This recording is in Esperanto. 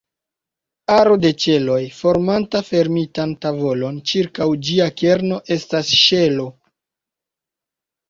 Aro de ĉeloj formanta fermitan tavolon ĉirkaŭ ĝia kerno estas ŝelo.